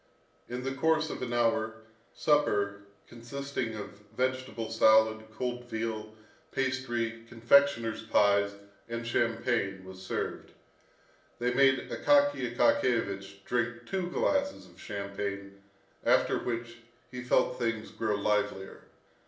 In the course of an hour, supper, consisting of vegetable salad, cold veal, pastry, confectioner's pies, and champagne, was served. They made Akaky Akakiyevich drink two glasses of champagne, after which he felt things grow livelier.